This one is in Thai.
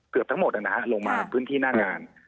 เกือบทั้งหมดลงมาพื้นที่หน้างาน